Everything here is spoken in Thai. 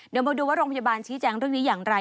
เดี๋ยวมาดูว่าโรงพยาบาลชี้แจงเรื่องนี้อย่างไร